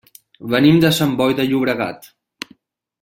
Venim de Sant Boi de Llobregat.